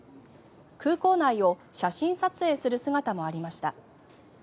空港内を写真撮影する姿もありました。